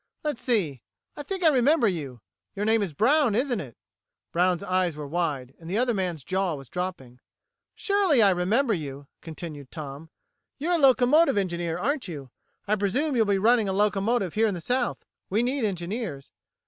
Let's see, I think I remember you. Your name is Brown, isn't it?" Brown's eyes were wide; the other man's jaw was drooping. "Surely I remember you," continued Tom. "You're a locomotive engineer, aren't you? I presume you'll be running a locomotive here in the South. We need engineers."